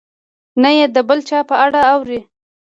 نه یې د بل چا په اړه اوري.